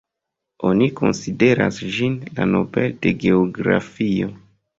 Oni konsideras ĝin la Nobel de geografio.